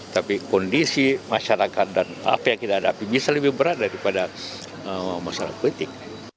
tapi kondisi masyarakat dan apa yang kita hadapi bisa lebih berat daripada masalah politik